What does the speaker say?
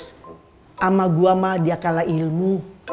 sama gue mah dia kalah ilmu